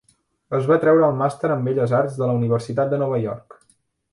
Es va treure el màster en Belles Arts de la Universitat de Nova York.